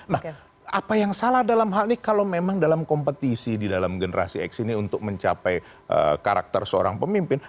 nah apa yang salah dalam hal ini kalau memang dalam kompetisi di dalam generasi x ini untuk mencapai karakter seorang pemimpin